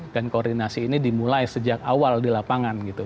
dan koordinasi ini dimulai sejak awal di lapangan gitu